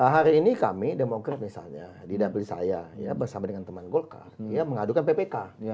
hari ini kami demokrat misalnya di dapil saya bersama dengan teman golkar ya mengadukan ppk